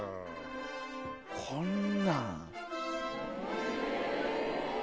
こんなん。